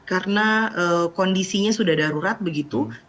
karena kondisinya sudah darurat begitu